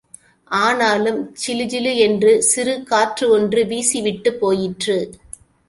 ஆனாலும் சிலுசிலு என்று சிறுகாற்று ஒன்று வீசி விட்டுப் போயிற்று.